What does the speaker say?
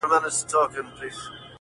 لاس تر غاړه له خپل بخت سره جوړه سوه!.